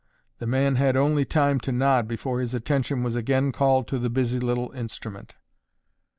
The man had only time to nod before his attention was again called to the busy little instrument.